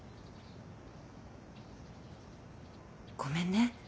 ごめんね。